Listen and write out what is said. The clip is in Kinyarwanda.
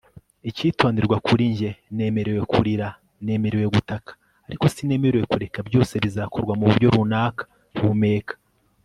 icyitonderwa kuri njye nemerewe kurira, nemerewe gutaka, ariko sinemerewe kureka byose bizakorwa muburyo runaka humeka